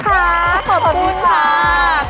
ขอบคุณค่ะ